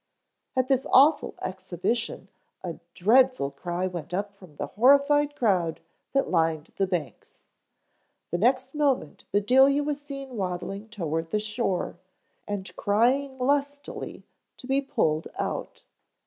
At this awful exhibition a dreadful cry went up from the horrified crowd that lined the banks. The next moment Bedelia was seen waddling toward the shore and crying lustily to be pulled out.